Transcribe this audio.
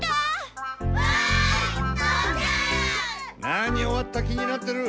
なに終わった気になってる。